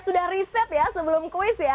sudah riset ya sebelum kuis ya